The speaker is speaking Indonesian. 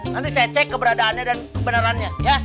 nanti saya cek keberadaannya dan kebenarannya